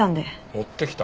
持ってきた？